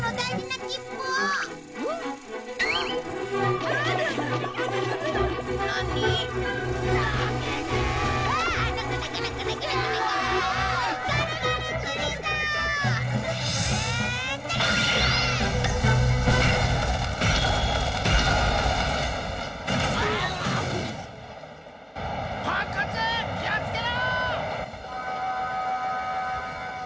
気をつけろ！